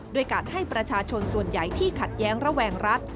ด้วยการให้ประชาชนส่วนใหญ่ที่ขัดแย้งระแวงรัฐ